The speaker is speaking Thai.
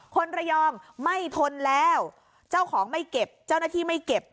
คนระยองไม่ทนแล้วเจ้าของไม่เก็บเจ้าหน้าที่ไม่เก็บ